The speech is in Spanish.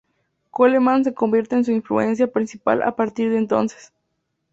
Coleman se convierte en su influencia principal a partir de entonces.